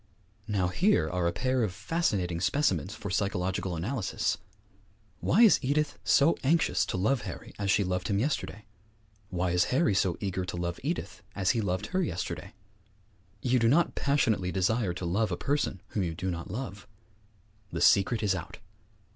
Now here are a pair of fascinating specimens for psychological analysis! Why is Edith so anxious to love Harry as she loved him yesterday? Why is Harry so eager to love Edith as he loved her yesterday? You do not passionately desire to love a person whom you do not love. The secret is out!